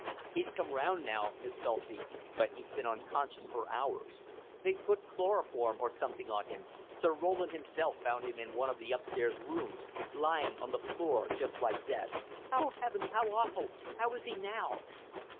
"He's come round now, Miss Dulcie, but he's been unconscious for hours. They put chloroform or something on him Sir Roland himself found him in one of the upstairs rooms, lying on the floor just like dead." "Oh, heavens, how awful! How is he now?"